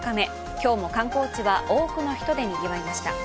今日も観光地は多くの人でにぎわいました。